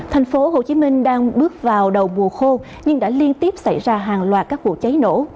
thành phố hồ chí minh đang bước vào đầu mùa khô nhưng đã liên tiếp xảy ra hàng loạt các vụ cháy nổ